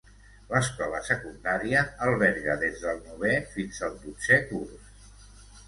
L'escola secundària alberga des del novè fins al dotzè curs.